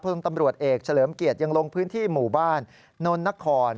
ตำรวจเอกเฉลิมเกียรติยังลงพื้นที่หมู่บ้านนนนคร